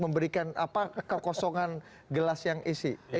memberikan kekosongan gelas yang isi